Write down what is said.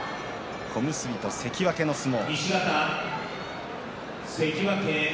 小結と関脇の相撲。